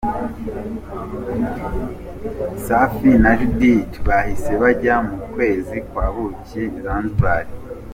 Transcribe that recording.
Safi na Judithe bahise bajya mu kwezi kwa Buki i Zanzibar.